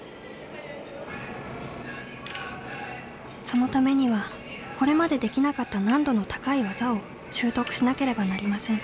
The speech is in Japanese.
そのためにはこれまでできなかった難度の高い技を習得しなければなりません。